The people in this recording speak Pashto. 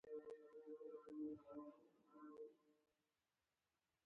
د الوویرا ګل د سوځیدو لپاره وکاروئ